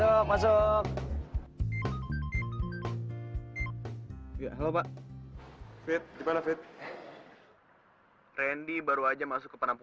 randy baru aja masuk ke penampungan anak pak kayaknya dia lagi ngajarin musik anak anak jadi